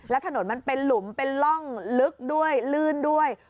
และถนนมันเป็นหลุมเป็นร่องลึกด้วยลื่นด้วย